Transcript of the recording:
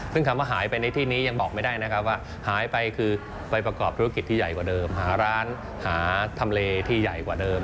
ซึ่งคำว่าหายไปในที่นี้ยังบอกไม่ได้นะครับว่าหายไปคือไปประกอบธุรกิจที่ใหญ่กว่าเดิมหาร้านหาทำเลที่ใหญ่กว่าเดิม